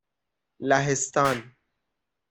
لهستان